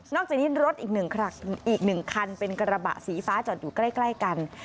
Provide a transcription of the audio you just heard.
จากนี้รถอีก๑คันเป็นกระบะสีฟ้าจอดอยู่ใกล้กัน